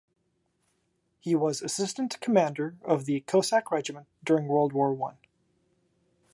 He was Assistant Commander of the Cossack regiment during World War One.